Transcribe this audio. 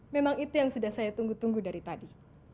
memang itu yang sudah saya tunggu tunggu dari tadi